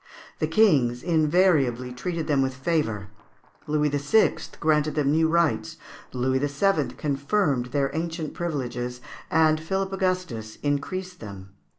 The kings invariably treated them with favour. Louis VI. granted them new rights, Louis VII. confirmed their ancient privileges, and Philip Augustus increased them.